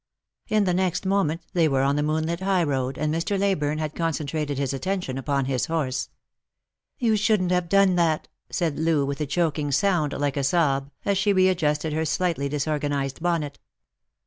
In the next moment they were on the moonlit high road, and Mr. Leyburne had concentrated his attention upon his horse. " You shouldn't have done that," said Loo, with a choking sound like a sob, as she readjusted her slightly disorganised bonnet.